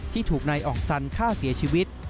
ที่ถูกนายอ่องสันฆ่าเสียชีวิต